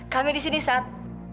kami di sini sat